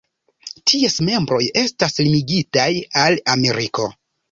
Ties membroj estas limigitaj al Ameriko.